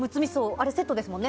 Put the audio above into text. あれ、セットですものね。